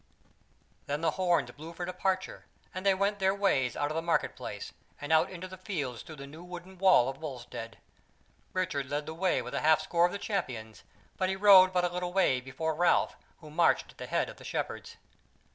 Then the horns blew for departure, and they went their ways out of the market place, and out into the fields through the new wooden wall of Wulstead. Richard led the way with a half score of the Champions, but he rode but a little way before Ralph, who marched at the head of the Shepherds.